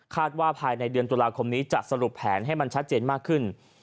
ว่าภายในเดือนตุลาคมนี้จะสรุปแผนให้มันชัดเจนมากขึ้น